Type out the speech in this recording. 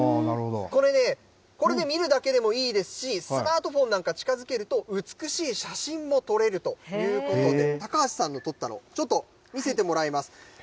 これね、これで見るだけでもいいですし、スマートフォンなんか近づけると、美しい写真も撮れるということで、高橋さんの撮ったの、ちょっと見せてもらいます。